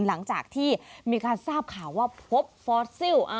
หลังจากที่มีการทราบข่าวว่าพบฟอสซิล